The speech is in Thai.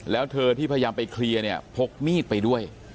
แล้วเธอที่พยายามไปเคลียร์เนี่ยพกมีดไปด้วย